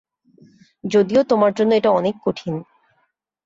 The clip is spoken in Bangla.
যদিও তোমার জন্য এটা অনেক কঠিন।